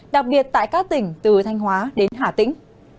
đặc biệt tại các tỉnh từ thanh hóa đến hà tĩnh